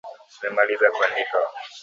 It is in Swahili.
tumemaliza kuandika